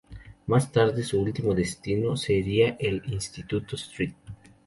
Más tarde, su último destino sería el Instituto St.